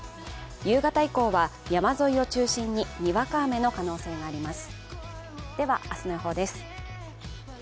夕方以降は山沿いを中心ににわか雨の可能性があります。